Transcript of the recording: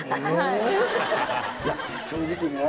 いや正直ね